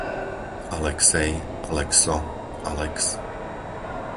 Alexej, Lexo, Alex